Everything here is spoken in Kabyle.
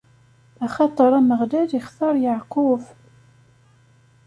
Axaṭer Ameɣlal ixtaṛ Yeɛqub.